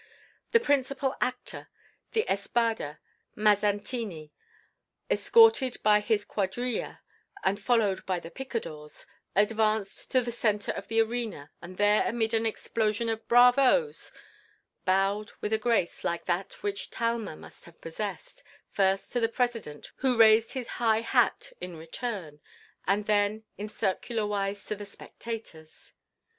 The principal actor, the espada, Mazzantini, escorted by his cuadrilla and followed by the picadors, advanced to the centre of the arena and there amid an explosion of bravos, bowed with a grace like that which Talma must have possessed, first to the President, who raised his high hat in return, and then in circular wise to the spectators.